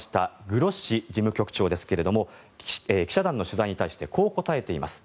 グロッシ事務局長ですが記者団の取材に対してこう答えています。